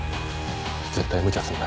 絶対無茶するなよ。